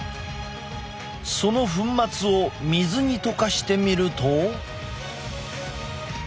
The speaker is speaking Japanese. その粉末を水に溶かしてみると。